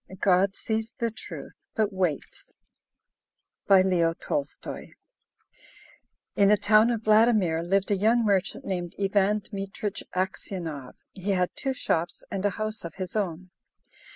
GOD SEES THE TRUTH, BUT WAITS BY LEO N. TOLSTOY In the town of Vladimir lived a young merchant named Ivan Dmitrich Aksionov. He had two shops and a house of his own.